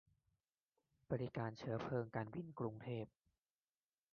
บริการเชื้อเพลิงการบินกรุงเทพ